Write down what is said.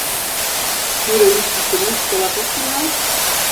Пӱрӧ ӱпшышкӧ мӱкш толаш ок тӱҥал?..